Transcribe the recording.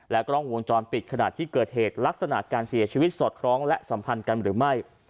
กล้องวงจรปิดขณะที่เกิดเหตุลักษณะการเสียชีวิตสอดคล้องและสัมพันธ์กันหรือไม่